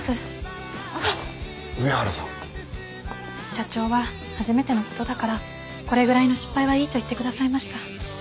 社長は初めてのことだからこれぐらいの失敗はいいと言って下さいました。